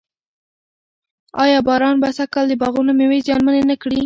ایا باران به سږ کال د باغونو مېوې زیانمنې نه کړي؟